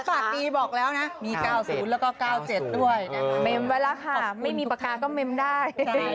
ส่วนงวดนี้ไปฟังออสผมบอกเลย